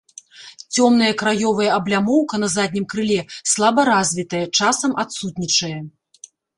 Цёмная краёвая аблямоўка на заднім крыле слаба развітая, часам адсутнічае.